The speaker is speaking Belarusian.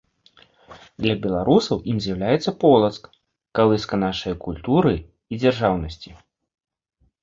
Для Беларусаў ім зьяўляецца Полацак - калыска нашае культуры і дзяржаўнасьці.